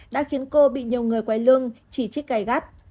đã khiến cô bị nhiều người quay lưng chỉ trích cày gắt